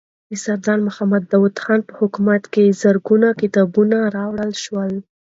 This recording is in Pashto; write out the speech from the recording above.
د سردار محمد داود خان په حکومت کې زرګونه کتابونه راوړل شول.